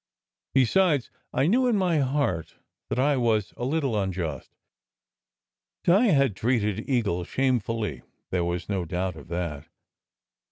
Besides, I knew in my heart that I was a little unjust. Di had treated Eagle shamefully, there was no doubt of that.